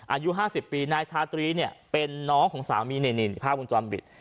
อายุ๕๐ปีนายชาตรีเป็นน้องของสามีนินภาพวงจรรย์บิต